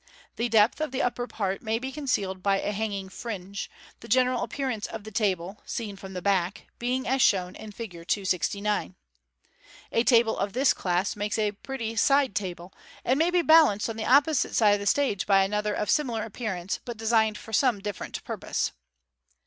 The depth of the upper part may be concealed by a hanging fringe ; the general appearance of the table (seen from the back) being as shown in Fig. 269. A table of this class makes a very pretty side table, and may be balanced on the opposite side of the stage by another of similar appearance, but designed for some different purpose.